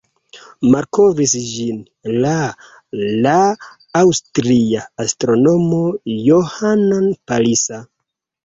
Malkovris ĝin la la aŭstria astronomo Johann Palisa.